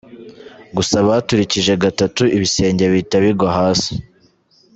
Gusa baturikije gatatu ibisenge bihita bigwa hasi.